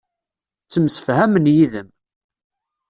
Ttemsefhamen yid-m.